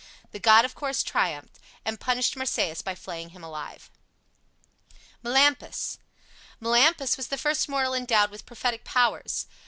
The god of course triumphed, and punished Marsyas by flaying him alive. MELAMPUS Melampus was the first mortal endowed with prophetic powers.